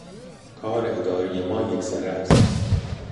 کار ادارهٔ ما یک سره است.